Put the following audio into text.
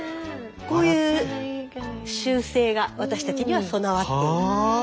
こういう習性が私たちには備わっている。